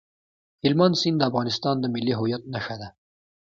هلمند سیند د افغانستان د ملي هویت نښه ده.